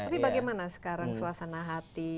tapi bagaimana sekarang suasana hati